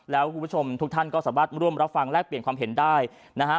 แล้วคุณผู้ชมทุกท่านก็สามารถร่วมรับฟังแลกเปลี่ยนความเห็นได้นะฮะ